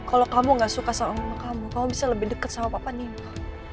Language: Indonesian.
kalau kamu gak suka sama orang lain kamu bisa lebih dekat sama papa nino